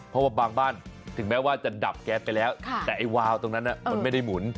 เพราะว่าบางบ้านถึงแม้ว่าจะดับแก๊สไปแล้วแต่ไอ้วาวตรงนั้นมันไม่ได้หมุน